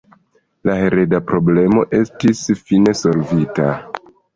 La hereda problemo estis fine solvita.